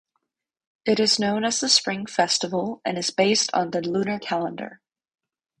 It is known as the Spring Festival and is based on the lunar calendar.